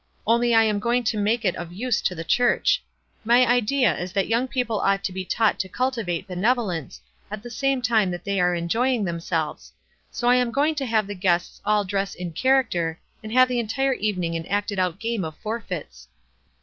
Only I am going to make it of use to the church. My idea is that young people ought to be taught to cultivate berfevo lence, at the same time that they are enjoying themselves ; so I am going to have the guests all dress in character, and have the entire even ing an acted out game of forfeits."